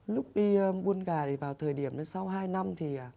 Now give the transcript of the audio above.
lúc đi buôn gà thì vào thời điểm sau hai năm thì